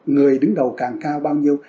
người đứng đầu càng cao bao nhiêu